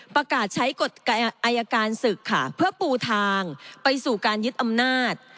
ประกาศใช้กฎอายการศึกค่ะเพื่อปูทางไปสู่การยึดอำนาจ